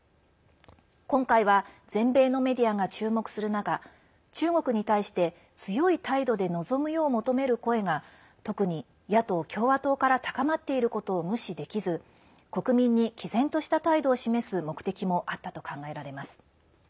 今回は全米のメディアが注目する中中国に対して強い態度で臨むよう求める声が特に野党・共和党から高まっていることを無視できず国民に、きぜんとした態度を示す目的もあったと考えられます。